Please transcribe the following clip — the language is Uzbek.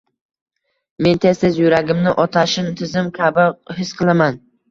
Men tez-tez yuragimni otashin tizim kabi his qilaman.